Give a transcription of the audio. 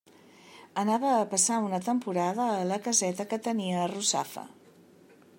Anava a passar una temporada a la caseta que tenia a Russafa.